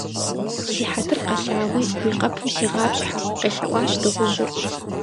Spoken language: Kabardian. - Си хьэтыр къэлъагъуи, уи къэпым сигъапщхьэ, - къелъэӏуащ дыгъужьыр.